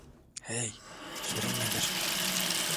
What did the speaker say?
Hey, sorun nedir?